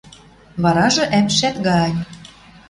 Варажы ӓпшӓт гань